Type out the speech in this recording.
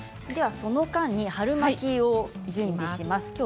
この間に春巻きを準備していきます。